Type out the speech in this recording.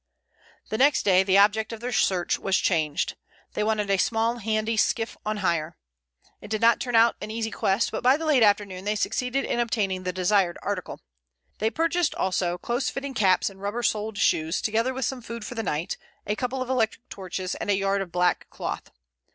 Next day the object of their search was changed. They wanted a small, handy skiff on hire. It did not turn out an easy quest, but by the late afternoon they succeeded in obtaining the desired article. They purchased also close fitting caps and rubber soled shoes, together with some food for the night, a couple of electric torches, and a yard of black cloth.